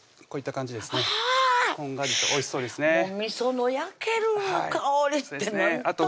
こういった感じですね